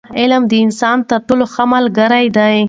علم د انسان تر ټولو ښه ملګری دی.